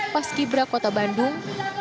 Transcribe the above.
pas kibra kota bandung